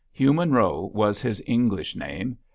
Hugh Monroe was his English name.